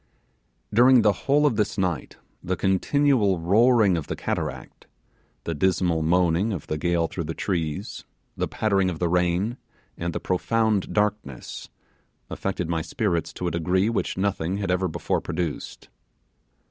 During the whole of this night the continual roaring of the cataract the dismal moaning of the gale through the trees the pattering of the rain, and the profound darkness, affected my spirits to a degree which nothing had ever before produced.